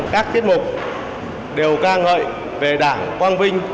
các tiết mục đều can hợi về đảng quang vinh